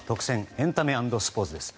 エンタメ＆スポーツです。